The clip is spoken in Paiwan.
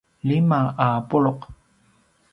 lima a pulu’